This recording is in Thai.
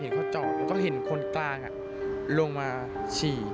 เห็นเขาจอดก็เห็นคนต่างลงมาฉี่